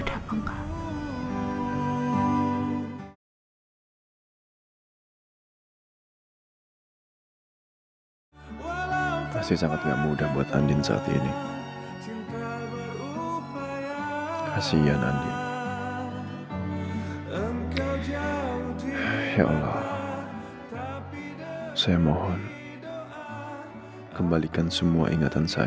dan aku gak tau apa yang harus aku lakuin